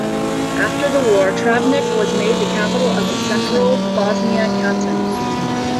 After the war, Travnik was made the capital of the Central Bosnia Canton.